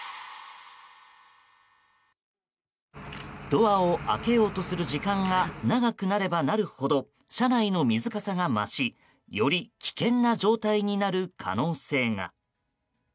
ドアを開けようとする時間が長くなればなるほど車内の水かさが増しより危険な状態になる可能性が。